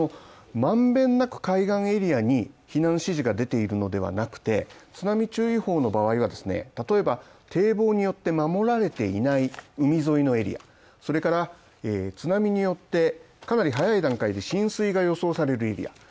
まんべんなく海岸エリアに避難指示が出ているのではなくて、津波注意報の場合は、例えば堤防によって守られていない海沿いのエリア、それから津波によってかなり早い段階で浸水が予想されるエリア。